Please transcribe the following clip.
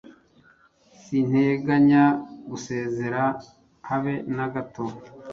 Sinteganya gusezera habe na gato